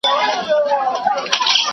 نړيوال حقوق د کمزورو هيوادونو ساتنه کوي.